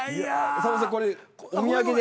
さんまさんこれお土産で。